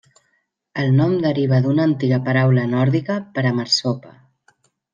El nom deriva d'una antiga paraula nòrdica per a marsopa.